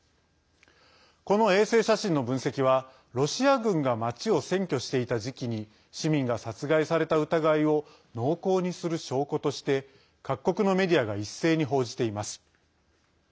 この衛星写真の分析はロシア軍が町を占拠していた時期に市民が殺害された疑いを濃厚にする証拠として各国のメディアが一斉に報じています。